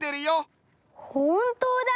ほんとうだ！